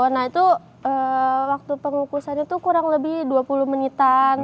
nah itu waktu pengukusan itu kurang lebih dua puluh menitan